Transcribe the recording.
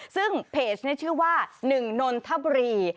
ซึ่งเพจชื่อว่าหนึ่งนทบรี